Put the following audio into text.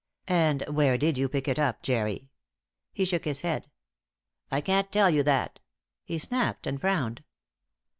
"And where did you pick it up, Jerry?" He shook his head. "I can't tell you that," he snapped, and frowned.